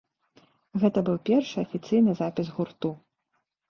Гэта быў першы афіцыйны запіс гурту.